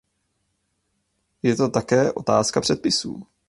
Je to také otázka předpisů.